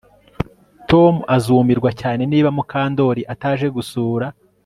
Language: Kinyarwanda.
Tom azumirwa cyane niba Mukandoli ataje gusura